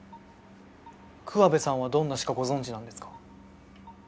桑部さんはどんな詩かご存じなんですか？